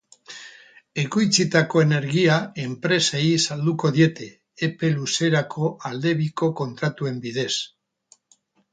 Ekoitzitako energia enpresei salduko diete, epe luzerako aldebiko kontratuen bidez.